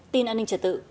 tin an ninh trở tự